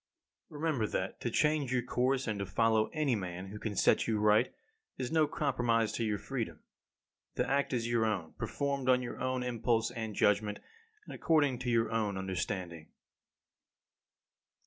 16. Remember that to change your course, and to follow any man who can set you right is no compromise of your freedom. The act is your own, performed on your own impulse and judgment, and according to your own understanding.